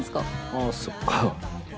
ああそっか。